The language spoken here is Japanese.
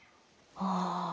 ああ。